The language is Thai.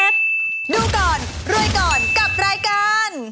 ดูก่อนรวยก่อนกับรายการ